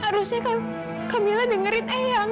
harusnya kamila dengerin ayah